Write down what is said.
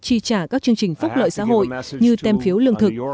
chi trả các chương trình phúc lợi xã hội như tem phiếu lương thực